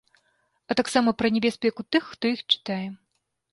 А таксама пра небяспеку тых, хто іх чытае.